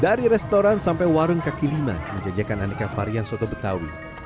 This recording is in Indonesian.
dari restoran sampai warung kaki lima menjajakan aneka varian soto betawi